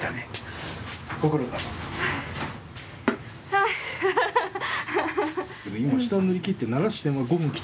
はあハハハハッ。